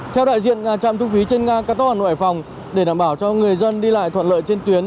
theo đại diện trạm thu phí trên cao tốc hà nội hải phòng để đảm bảo cho người dân đi lại thuận lợi trên tuyến